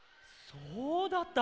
そうだった。